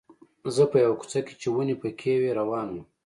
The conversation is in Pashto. زه په یوه کوڅه کې چې ونې پکې وې روان وم.